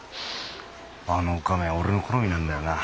あのおかめ俺の好みなんだよな。